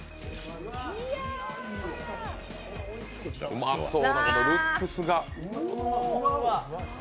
うまそう、このルックスが。